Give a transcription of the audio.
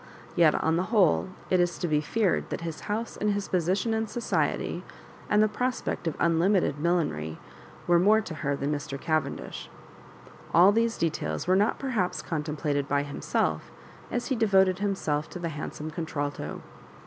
Yet, on the whole, it is to be feared that his house and his position in society, and the prospect of unlimited millinery, were more to her than Mr. Cavendish. All these details were not perhaps contemplated by himself as he devoted himself to the handsome contralto.